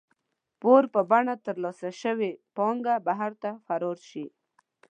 پور په بڼه ترلاسه شوې پانګه بهر ته فرار شي.